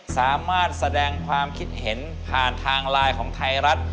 สามารถแสดงความคิดเห็นผ่านทางไลน์ของไทยรัฐ